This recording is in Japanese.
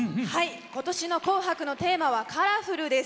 今年の紅白のテーマは「カラフル」です。